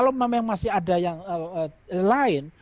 kalau memang masih ada yang lain